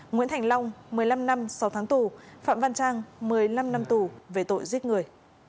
nguyễn thành long một mươi năm năm sáu tháng tù phạm văn trang một mươi năm năm tù về tội giết người